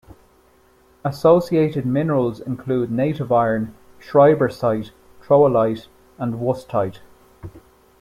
Associated minerals include native iron, schreibersite, troilite and wustite.